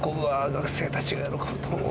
学生たちが喜ぶと思う。